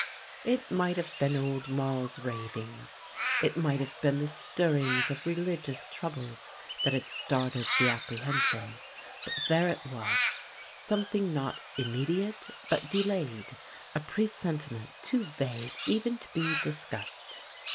It might have been old Moll's ravings, it might have been the stirrings of religious troubles that had started the apprehension; but there it was, something not immediate but delayed, a presentiment too vague even to be discussed.